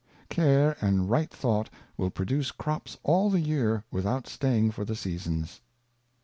Care and right Thought will produce Crops all the Year with out staying for the Seasons.